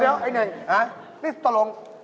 เดี๋ยวไอ้หนึ่งนี่ตกลง